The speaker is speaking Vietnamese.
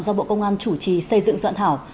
do bộ công an chủ trì xây dựng soạn thảo